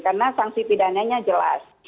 karena sanksi pidananya jelas